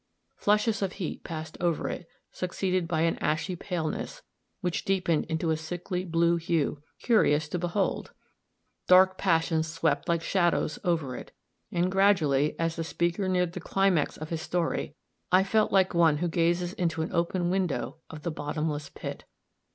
Flushes of heat passed over it, succeeded by an ashy paleness, which deepened into a sickly blue hue, curious to behold; dark passions swept like shadows over it; and gradually, as the speaker neared the climax of his story, I felt like one who gazes into an open window of the bottomless pit.